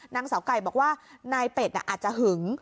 นางสาวไก่บอกว่านายเป็ดอาจจะหึง